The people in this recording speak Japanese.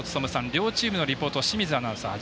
両チームのリポート清水アナウンサー。